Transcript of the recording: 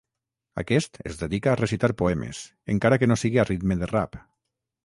Aquest es dedica a recitar poemes, encara que no sigui a ritme de rap.